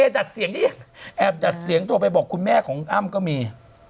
๋ทีอีกแอบดัดเสียงโตไปบอกคุณแม่ของอ้ำก็มี